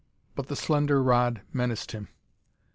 But the slender rod menaced him.